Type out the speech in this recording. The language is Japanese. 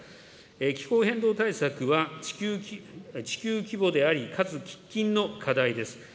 気候変動対策は地球規模であり、かつ喫緊の課題です。